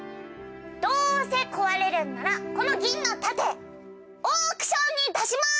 どうせ壊れるんならこの銀の盾オークションに出します！